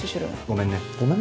「ごめんね？」